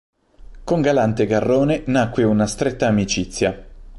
Con Galante Garrone nacque una stretta amicizia.